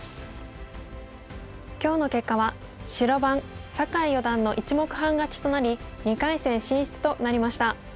今日の結果は白番酒井四段の１目半勝ちとなり２回戦進出となりました。